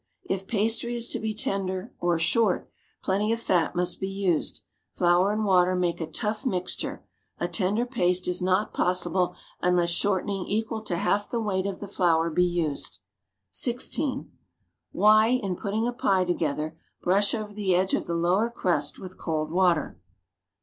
If pastry is to be tender or "short," plenty of fat must be tised; flotu' and Avater make a tough niixtiu'C; a tender paste is not possible unless shortening ecjual to half the weight of the flour be used. (16) Why, in putting a pie together, l)rush over the edge of the lower trust with cold water?